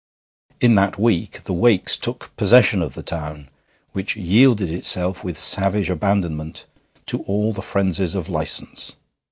In that week the Wakes took possession of the town, which yielded itself with savage abandonment to all the frenzies of license.